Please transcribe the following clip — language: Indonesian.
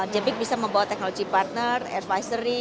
jpeg bisa membawa technology partner advisory